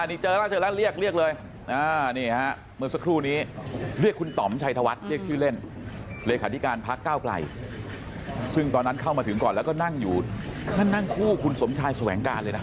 นี่เจอแล้วเจอแล้วเรียกเรียกเลยนี่ฮะเมื่อสักครู่นี้เรียกคุณต่อมชัยธวัฒน์เรียกชื่อเล่นเลขาธิการพักก้าวไกลซึ่งตอนนั้นเข้ามาถึงก่อนแล้วก็นั่งอยู่นั่นนั่งคู่คุณสมชายแสวงการเลยนะ